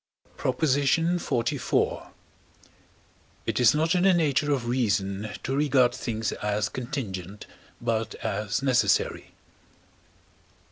PROP. XLIV. It is not in the nature of reason to regard things as contingent, but as necessary.